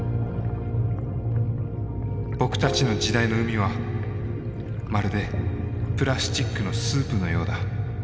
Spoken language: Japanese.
僕たちの時代の海はまるでプラスチックのスープのようだ。